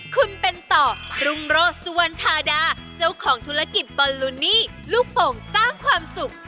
คุณเป็นต่อรุ่งโรศสุวรรณธาดาเจ้าของธุรกิจบอลลูนี่ลูกโป่งสร้างความสุข